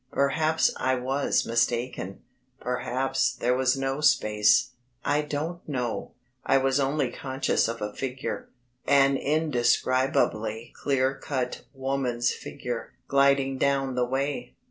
Perhaps I was mistaken; perhaps there was no space I don't know. I was only conscious of a figure, an indescribably clear cut woman's figure, gliding down the way.